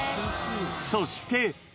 そして。